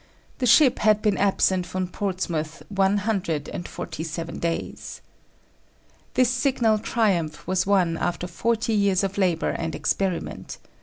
The ship had been absent from Portsmouth one hundred and forty seven days. This signal triumph was won after forty years of labor and experiment.